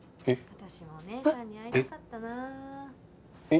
私もお姉さんに会いたかったなえっ